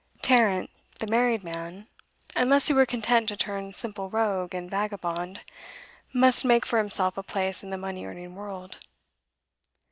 Tarrant the married man, unless he were content to turn simple rogue and vagabond, must make for himself a place in the money earning world.